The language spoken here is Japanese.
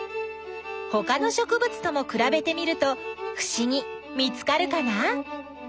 ほかのしょくぶつともくらべてみるとふしぎ見つかるかな？